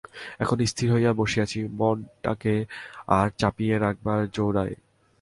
এখন স্থির হইয়া বসিয়াছে, মনটাকে আর চাপিয়া রাখিবার জো নাই।